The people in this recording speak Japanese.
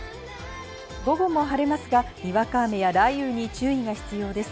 午後も晴れますが、にわか雨や雷雨に注意が必要です。